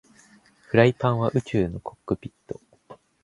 フライパンは宇宙のコックピット